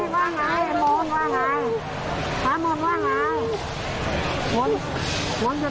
จุดที่ชาติขึ้นเถอะครับ